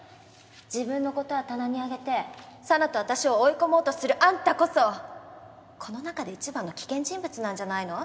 自分のことは棚に上げて紗奈と私を追い込もうとするあんたこそこの中でいちばんの危険人物なんじゃないの？